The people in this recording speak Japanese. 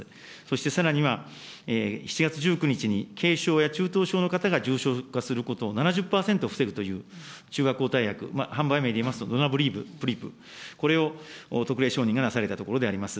そしてさらには７月１９日に軽症や中等症の方が重症化することを７０％防ぐという中和抗体薬、販売名でいいますと、ドナブリーブ、これを特例承認なされたところであります。